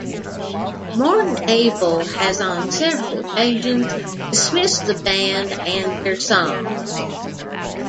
Morten Abel has on several occasions dismissed the band and their songs.